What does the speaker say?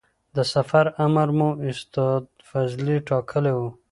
د سفر امر مو استاد فضلي ټاکلی و.